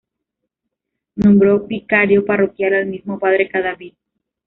Nombró vicario Parroquial al mismo Padre Cadavid.